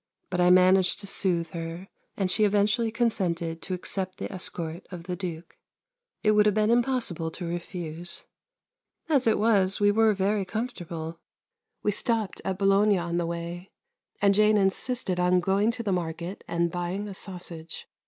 But I managed to soothe her, and she eventually consented to accept the escort of the Duke. It would have been impossible to refuse. As it was, we were very comfortable. We stopped at Bologna on the way, and Jane insisted on going to the market and buying a sausage.